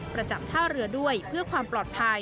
ประจำท่าเรือด้วยเพื่อความปลอดภัย